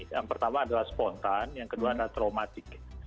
yang pertama adalah spontan yang kedua adalah traumatik